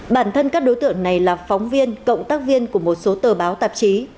bản thân các đối tượng này là phóng viên cộng tác viên của một số tờ báo tạp chí